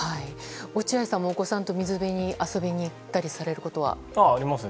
落合さんもお子さんと水辺に遊びに行ったりされることは？ありますね。